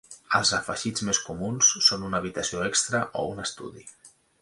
Els afegits més comuns són una habitació extra o un estudi.